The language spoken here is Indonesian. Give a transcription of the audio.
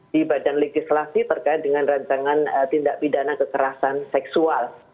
di badan legislasi terkait dengan rancangan tindak pidana kekerasan seksual